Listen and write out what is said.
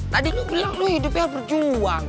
tadi lu bilang lu hidupnya berjuang